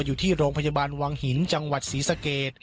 อยู่ที่โรงพยาบาลวังหินจังหวัดศรีสะเกด